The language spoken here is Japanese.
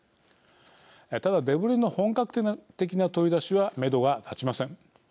ただ、デブリの本格的な取り出しはめどが立ちません。